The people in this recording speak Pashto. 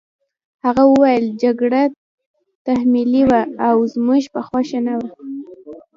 هغه وویل جګړه تحمیلي وه او زموږ په خوښه نه وه